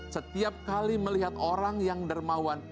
setelah kita melihat orang yang bermawanya